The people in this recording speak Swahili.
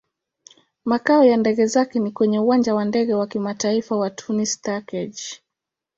Makao ya ndege zake ni kwenye Uwanja wa Ndege wa Kimataifa wa Tunis-Carthage.